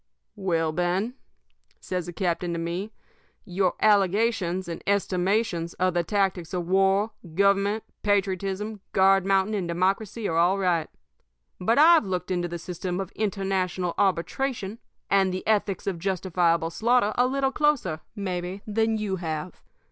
"'Well, Ben,' says the captain to me, 'your allegations and estimations of the tactics of war, government, patriotism, guard mounting, and democracy are all right. But I've looked into the system of international arbitration and the ethics of justifiable slaughter a little closer, maybe, than you have.